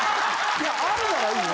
いやあるならいいよ。